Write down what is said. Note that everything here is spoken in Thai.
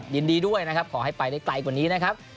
ยินดีด้วยนะครับขอให้ไปได้ไกลกว่านี้นะครับ